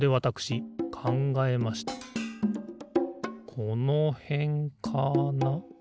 このへんかな？